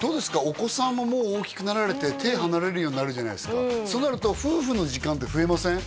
お子さんももう大きくなられて手離れるようになるじゃないですかそうなると夫婦の時間って増えません？